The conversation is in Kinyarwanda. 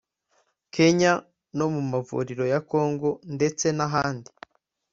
Kenya no mu mavuriro ya Congo ndetse n’ahandi